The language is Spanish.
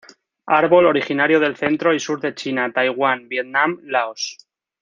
Árbol originario del centro y sur de China, taiwán, Vietnam, laos.